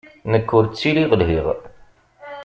Nekk ur ttiliɣ lhiɣ.